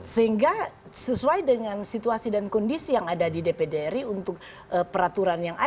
sehingga sesuai dengan situasi dan kondisi yang ada di dpd ri untuk peraturan yang ada